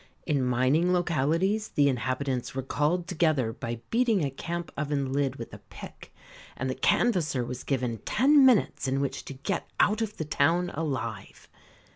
In mining localities the inhabitants were called together by beating a camp oven lid with a pick, and the canvasser was given ten minutes in which to get out of the town alive.